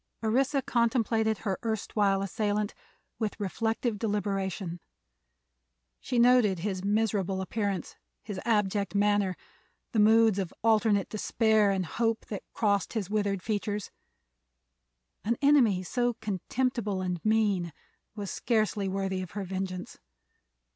Orissa contemplated her erstwhile assailant with reflective deliberation. She noted his miserable appearance, his abject manner, the moods of alternate despair and hope that crossed his withered features. An enemy so contemptible and mean was scarcely worthy of her vengeance.